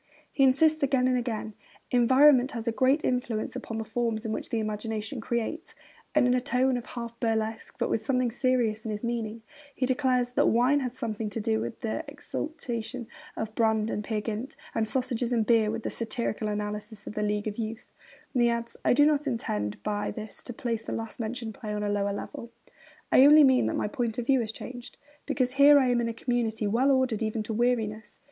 He insists, again and again: 'Environment has a great influence upon the forms in which the imagination creates'; and, in a tone of half burlesque, but with something serious in his meaning, he declares that wine had something to do with the exaltation of Brand and Peer Gynt, and sausages and beer with the satirical analysis of The League of Youth. And he adds: 'I do not intend by this to place the last mentioned play on a lower level. I only mean that my point of view has changed, because here I am in a community well ordered even to weariness.'